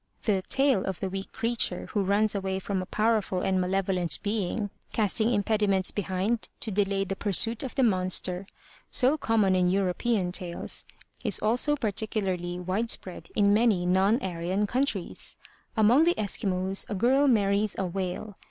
The tale of the weak creature who runs away from a powerful and malevolent being, casting impediments behind to delay the pursuit of the monster, so common in European tales, is also particularly wide spread in many non Aryan countries. Among the Eskimos a girl marries a whale.